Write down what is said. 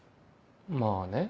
まぁね。